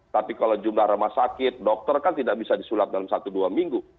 tapi kalau jumlah rumah sakit dokter kan tidak bisa disulap dalam satu dua minggu